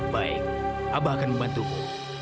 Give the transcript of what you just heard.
baik abah akan membantumu